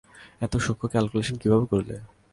এত সূক্ষ্ম ক্যালকুলেশন কীভাবে করলে?